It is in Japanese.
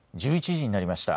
１１時になりました。